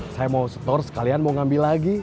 saya mau store sekalian mau ngambil lagi